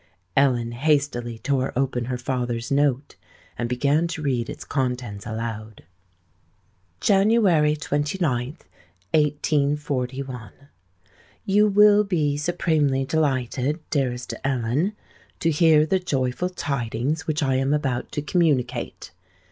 Ellen hastily tore open her father's note, and began to read its contents aloud:— "January 29th, 1841. "You will be supremely delighted, dearest Ellen, to hear the joyful tidings which I am about to communicate.